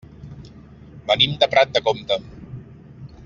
Venim de Prat de Comte.